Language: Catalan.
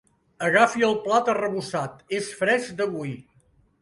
Agafi el plat arrebossat, és fresc d'avui.